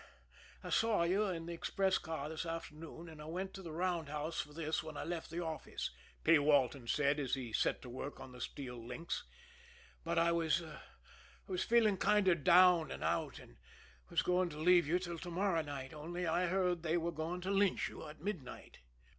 "I saw you in the express car this afternoon, and I went to the roundhouse for this when I left the office," P. Walton said, as he set to work on the steel links. "But I was feeling kind of down and out, and was going to leave you till to morrow night only I heard they were going to lynch you at midnight."